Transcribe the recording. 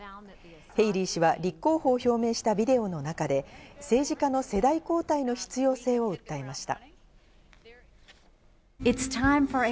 ヘイリー氏は立候補を表明したビデオの中で、政治家の世代交代の必要性を訴えました。